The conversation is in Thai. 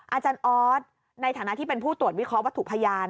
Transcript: อาจารย์ออสในฐานะที่เป็นผู้ตรวจวิเคราะหวัตถุพยาน